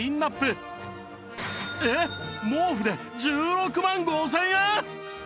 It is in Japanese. えっ毛布で１６万５０００円！？